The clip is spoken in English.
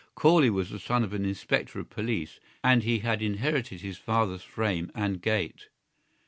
Corley was the son of an inspector of police and he had inherited his father's frame and gait.